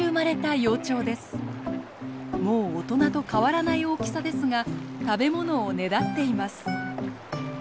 もう大人と変わらない大きさですが食べ物をねだっています。